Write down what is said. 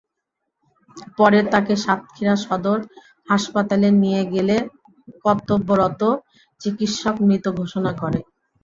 পরে তাঁকে সাতক্ষীরা সদর হাসপাতালে নিয়ে গেলে কর্তব্যরত চিকিৎসক মৃত ঘোষণা করে।